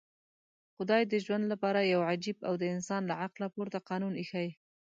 خدای د ژوند لپاره يو عجيب او د انسان له عقله پورته قانون ايښی.